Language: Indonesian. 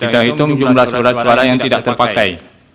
kita hitung jumlah surat suara yang tidak terpakai